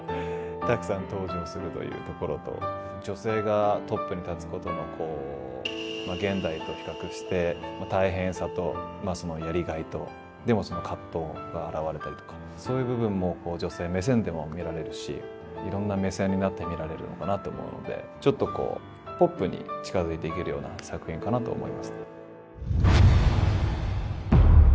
たくさん登場するというところと女性がトップに立つことのこう現代と比較して大変さとそのやりがいとでもその葛藤が表れたりとかそういう部分も女性目線でも見られるしいろんな目線になって見られるのかなと思うのでちょっとこうポップに近づいていけるような作品かなと思いますね。